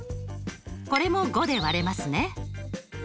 これも５で割れますね。